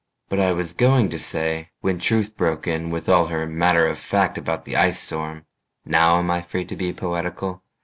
But I was going to say when Truth broke in With all her matter of fact about the ice storm (Now am I free to be poetical?)